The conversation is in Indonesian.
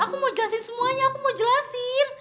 aku mau jelasin semuanya aku mau jelasin